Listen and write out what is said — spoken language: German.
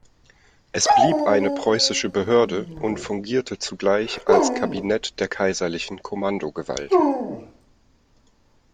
Es blieb eine preußische Behörde und fungierte zugleich als Kabinett der kaiserlichen Kommandogewalt.